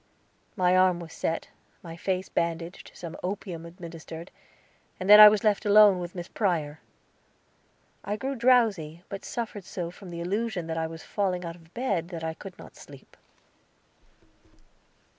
My arm was set, my face bandaged, some opium administered, and then I was left alone with Miss Prior. I grew drowsy, but suffered so from the illusion that I was falling out of bed that I could not sleep.